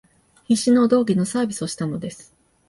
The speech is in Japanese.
必死のお道化のサービスをしたのです